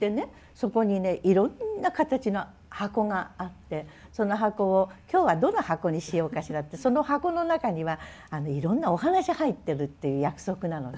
そこにねいろんな形の箱があってその箱を「今日はどの箱にしようかしら」ってその箱の中にはいろんなお話入ってるっていう約束なのね。